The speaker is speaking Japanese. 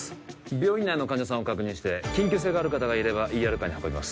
病院内の患者さんを確認して緊急性がある方がいればＥＲカーに運びます